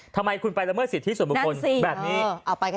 ทำไมคุณไปละเมิดสิทธิส่วนบุคคลแบบนี้